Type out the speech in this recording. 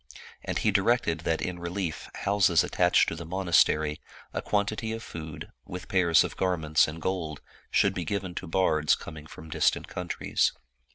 And he directed that in relief houses attached to the monastery, a quantity of food, with pairs of garments and gold, should be given to bards com ing from distant countries.